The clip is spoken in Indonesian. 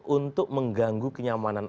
untuk mengganggu kenyamanan